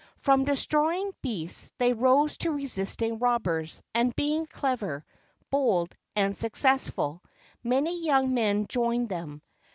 From destroying beasts, they rose to resisting robbers ; and being clever, bold, and successful, many young men joined them.